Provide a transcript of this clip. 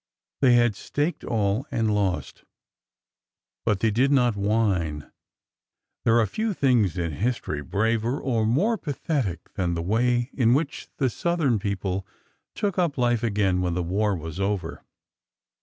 They had staked all and lost, but they did not whine. There are few things in history braver or more pathetic than the way in which the Southern people took up life again when the war was over.